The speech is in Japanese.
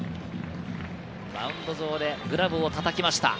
マウンド上でグラブをたたきました。